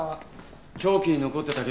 凶器に残ってた血痕